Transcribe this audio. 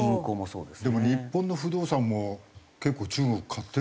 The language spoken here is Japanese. でも日本の不動産も結構中国買ってるんでしょ？